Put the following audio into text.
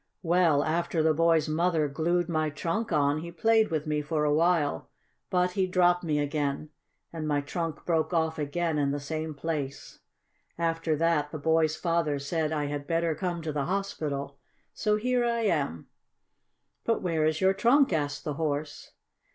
"Well, after the boy's mother glued my trunk on he played with me for a while, but he dropped me again, and my trunk broke off again in the same place. After that the boy's father said I had better come to the hospital. So here I am." "But where is your trunk?" asked the Horse.